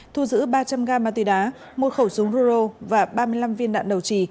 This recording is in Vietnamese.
thu giữ ba trăm linh ga ma túy đá một khẩu súng ruro và ba mươi năm viên đạn đầu trì